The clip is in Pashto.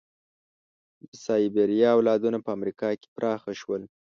د سایبریا اولادونه په امریکا کې پراخه شول.